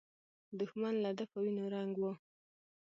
دښمن له ده په وینو رنګ و.